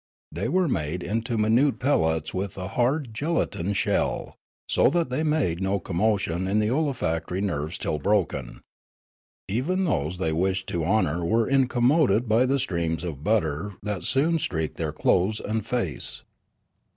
They were made into minute pellets with a hard gelatine shell, so that they made no commotion in the olfactory nerves till broken. Even those they wished to honour were incommoded by the streams of butter that soon streaked their clothes and face.